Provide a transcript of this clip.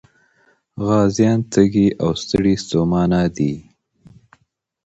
غازيان تږي او ستړي ستومانه دي.